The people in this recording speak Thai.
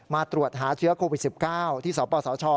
มาตรวจหาเชื้อโควิด๑๙ที่สวบป่าวสาวชอ